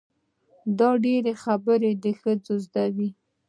دا ډېرې خبرې د ښځو زده وي.